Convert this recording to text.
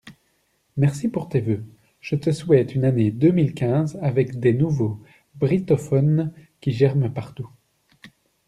Merci pour tes vœux, je te souhaite une année deux mille quinze avec des nouveaux brittophones qui germent partout.